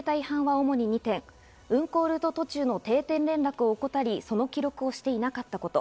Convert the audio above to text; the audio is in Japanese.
認めた違反は主に２点、運航ルート途中の定点連絡を怠り、その記録をしていなかったこと。